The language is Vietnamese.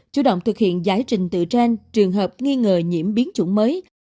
chủ động thực hiện giải trình tự trên trường hợp nghi ngờ nhiễm biến chủng mới